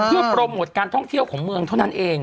เพื่อโปรโมทการท่องเที่ยวของเมืองเท่านั้นเอง